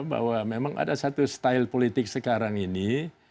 bahwa memang ada satu style politik sekarang ini